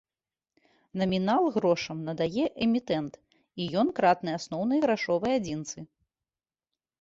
Намінал грошам надае эмітэнт і ён кратны асноўнай грашовай адзінцы.